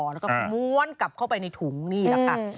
แล้วก็ม้วนกลับเข้าไปในถุงนี่แหละค่ะ